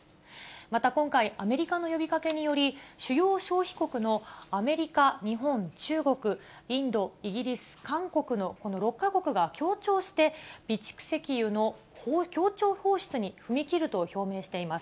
また今回、アメリカの呼びかけにより、主要消費国のアメリカ、日本、中国、インド、イギリス、韓国のこの６か国が協調して、備蓄石油の協調放出に踏み切ると表明しています。